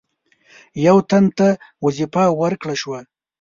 یو تن ته وظیفه ورکړه شوه.